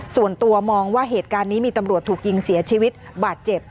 ส่วนตัวมองว่าเหตุการณ์นี้มีตำรวจถูกยิงเสียชีวิตบาดเจ็บ